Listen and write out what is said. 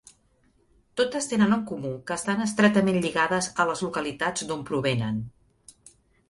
Totes tenen en comú que estan estretament lligades a les localitats d’on provenen.